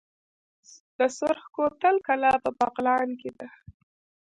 د سرخ کوتل کلا په بغلان کې ده